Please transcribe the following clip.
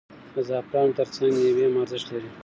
د زعفرانو ترڅنګ میوې هم ارزښت لري.